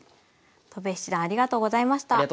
戸辺七段ありがとうございました。